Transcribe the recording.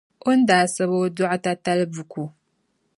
O ni daa sabi O Dɔɣita tali buku.